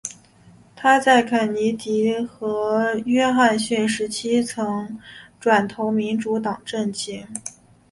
她在肯尼迪和约翰逊时期曾转投民主党阵型。